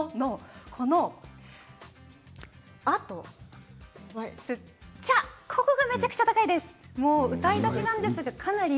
この「ア」の字と「ちゃ」がめちゃくちゃ高いです。